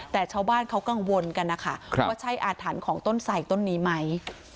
แต่ชาวบ้านเขากังวลกันนะคะว่าใช่อาถรรพ์ของต้นไส่ต้นนี้ไหม